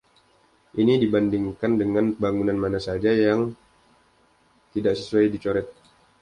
Ini dibandingkan dengan bangunan mana saja, dan yang tidak sesuai dicoret.